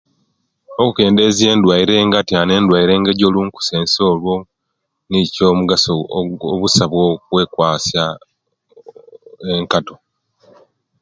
Okendeziya endwaire nga atyanu nga endwaire ejolunkusense olwo nikwo omugaso obusa bwakwekwasya enkato